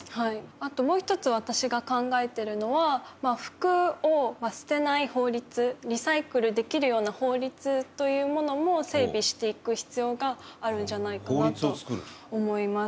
あともう一つ私が考えてるのは服を捨てない法律リサイクルできるような法律というものも整備していく必要があるんじゃないかなと思います。